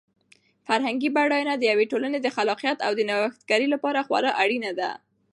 فرهنګي بډاینه د یوې ټولنې د خلاقیت او د نوښتګرۍ لپاره خورا اړینه ده.